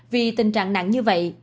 vì tình trạng nặng như vậy